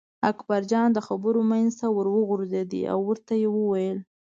اکبرجان د خبرو منځ ته ور وغورځېد او ورته یې وویل.